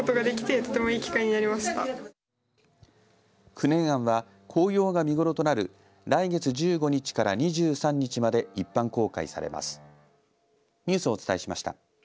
九年庵は紅葉が見頃となる来月１５日から２３日まで一般公開されます。